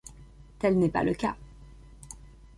Tel n'est pas le cas.